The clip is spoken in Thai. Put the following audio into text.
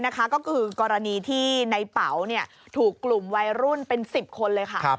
ก็คือกรณีที่ในเป๋าถูกกลุ่มวัยรุ่นเป็น๑๐คนเลยค่ะ